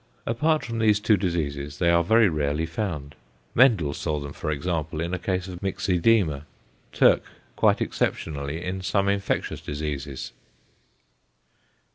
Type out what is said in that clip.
Apart from these two diseases they are very rarely found; Mendel saw them for example in a case of myxoedema, Türk quite exceptionally in some infectious diseases.